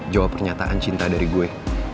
jawab pernyataan cinta dari gue